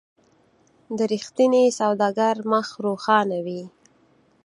د رښتیني سوداګر مخ روښانه وي.